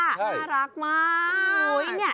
น่ารักมาก